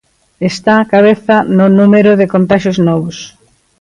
Está á cabeza no número de contaxios novos.